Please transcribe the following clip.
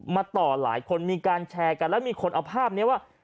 ต่อหลายคนมีการแชร์กันแล้วมีคนเอาภาพนี้ว่า